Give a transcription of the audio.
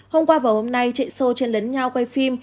hôm qua và hôm nay chạy xô trên lấn nhau quay phim